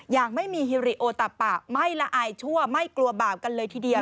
อย่างไม่มีฮิริโอตะปะไม่ละอายชั่วไม่กลัวบาปกันเลยทีเดียว